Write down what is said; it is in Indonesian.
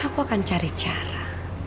aku akan cari cara